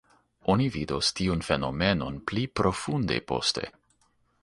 Oni vidos tiun fenomenon pli profunde poste.